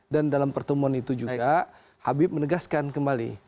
dan dalam pertemuan itu juga habib menegaskan kembali